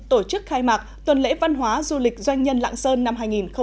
tổ chức khai mạc tuần lễ văn hóa du lịch doanh nhân lạng sơn năm hai nghìn hai mươi